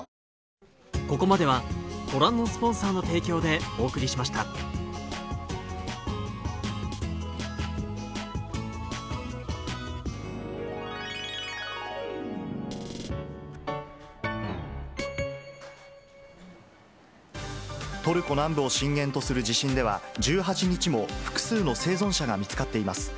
岸田総理は今後も全国各地をトルコ南部を震源とする地震では、１８日も複数の生存者が見つかっています。